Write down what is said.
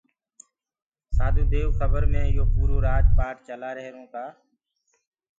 سآڌوٚ ديئو کَبَر ڪي مي يو پوٚرو رآج پآٽ چلآهيرونٚ ڪآ